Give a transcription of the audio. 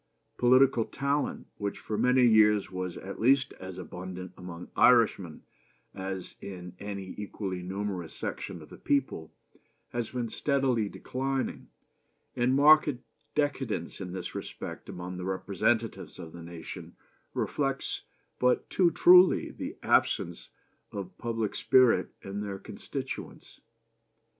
Political talent, which for many years was at least as abundant among Irishmen as in any equally numerous section of the people, has been steadily declining, and marked decadence in this respect among the representatives of the nation reflects but too truly the absence of public spirit in their constituents.